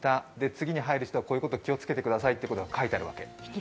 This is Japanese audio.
次に入る人はこういうことに気をつけてくださいということが書いてあるわけ。